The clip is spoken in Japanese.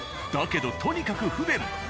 だけどとにかく不便。